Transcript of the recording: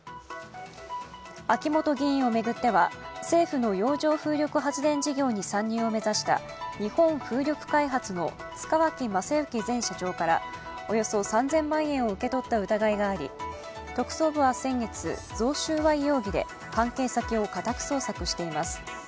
秋本議員を巡っては政府の洋上風力発電事業に参入を目指した日本風力開発の塚脇正幸前社長からおよそ３０００万円を受け取った疑いがあり、特捜部は先月、贈収賄容疑で関係先を家宅捜索しています。